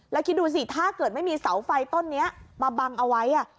แล้วคิดดูสิถ้าเกิดไม่มีเสาไฟต้นนี้มาบังเอาไว้